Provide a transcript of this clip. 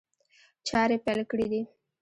چاري پيل کړي دي.